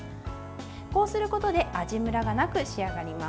こうすることで味ムラがなく仕上がります。